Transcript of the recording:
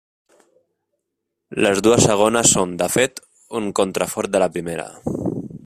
Les dues segones són, de fet, un contrafort de la primera.